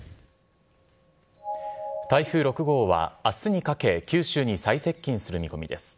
台風６号は、あすにかけ、九州に最接近する見込みです。